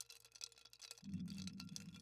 欧森巴克。